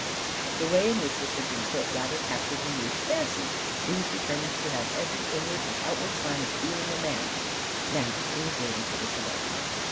The way in which this had been put rather captured the youth's fancy: he was determined to have every inward and outward sign of being a man: now he was waiting for the cigar.